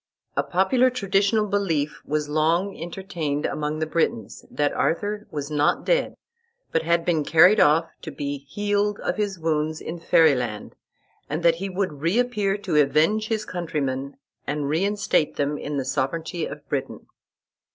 A popular traditional belief was long entertained among the Britons, that Arthur was not dead, but had been carried off to be healed of his wounds in Fairy land, and that he would reappear to avenge his countrymen and reinstate them in the sovereignty of Britain.